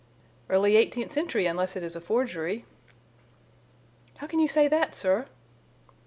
"Early eighteenth century, unless it is a forgery." "How can you say that, sir?"